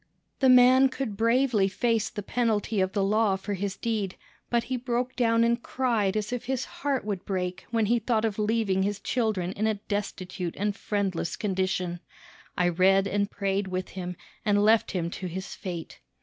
The man could bravely face the penalty of the law for his deed, but he broke down and cried as if his heart would break when he thought of leaving his children in a destitute and friendless condition. I read and prayed with him, and left him to his fate.